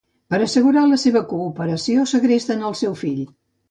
Per a assegurar la seva cooperació, segresten el seu fill.